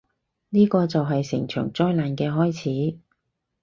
呢個就係成場災難嘅開始